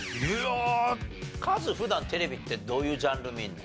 普段テレビってどういうジャンル見るの？